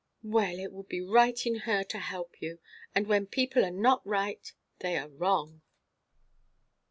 "Well, it would be right in her to help you. And when people are not right, they are wrong."